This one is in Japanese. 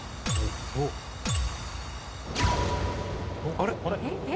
あれ？